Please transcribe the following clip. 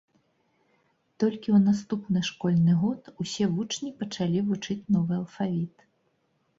Толькі ў наступны школьны год усе вучні пачалі вучыць новы алфавіт.